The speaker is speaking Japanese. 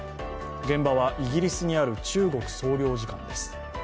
現場はイギリスにある中国総領事館です。